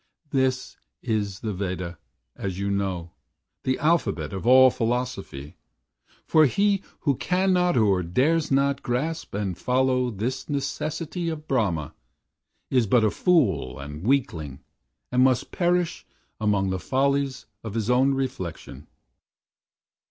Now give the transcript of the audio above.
"This is the Veda, as you know, The alphabet of all philosophy, For he who cannot or who dares not grasp And follow this necessity of Brahma, Is but a fool and weakling; and must perish Among the follies of his own reflection.